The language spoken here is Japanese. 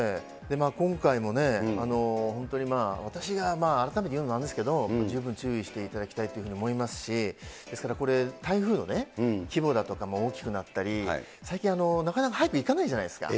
今回も本当に私が改めて言うのはあれですけど、十分注意していただきたいというふうに思いますし、ですからこれ、台風の規模だとかも大きくなったり、最近、なかなか速く行かないじゃないですか。